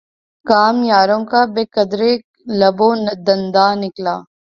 کام یاروں کا بہ قدرٕ لب و دنداں نکلا